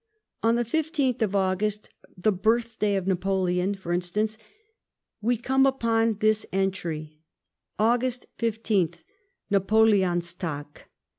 On the 15tli of August, the birthday of Napoleon, for instance, we come upon this entry : "August 15th (Napoleoustng).